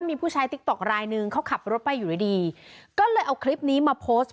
มีผู้ใช้ติ๊กต๊อกรายนึงเขาขับรถไปอยู่ดีดีก็เลยเอาคลิปนี้มาโพสต์